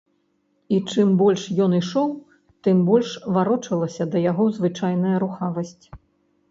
І чым больш ён ішоў, тым больш варочалася да яго звычайная рухавасць.